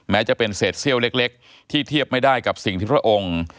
แม้จะเป็นเศษเซี่ยวเล็กที่เทียบไม่ได้กับสิ่งที่พระองค์